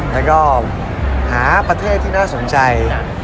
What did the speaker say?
แล้วก็หาประเทศที่น่าสนใจ